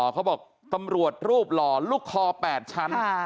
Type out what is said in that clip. เขาบอกตำรวจรูปหล่อลูกคอ๘ชั้น